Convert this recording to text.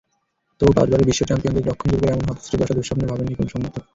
তবু পাঁচবারের বিশ্ব চ্যাম্পিয়নদের রক্ষণদুর্গের এমন হতশ্রী দশা দুঃস্বপ্নেও ভাবেননি কোনো সমর্থক।